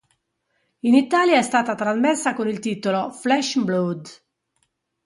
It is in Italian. In Italia è stata trasmessa con il titolo "Flesh 'n' Blood".